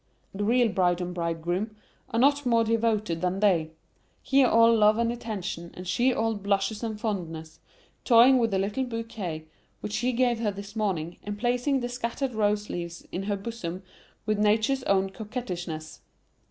The real bride and bridegroom are not more devoted than they: he all love and attention, and she all blushes and fondness, toying with a little bouquet which he gave her this morning, and placing the scattered rose leaves in her bosom with nature's own coquettishness.